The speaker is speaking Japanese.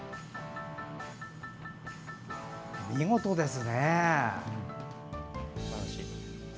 見事ですね。